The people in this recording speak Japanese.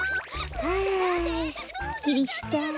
あすっきりした。